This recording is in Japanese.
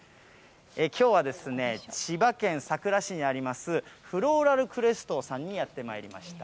きょうは、千葉県佐倉市にあります、フローラルクレストさんにやってまいりました。